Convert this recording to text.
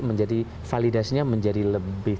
menjadi validasinya menjadi lebih